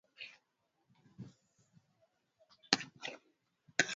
hasa afrika mashariki wa tanzania kwa ujumla